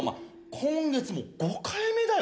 今月もう５回目だよ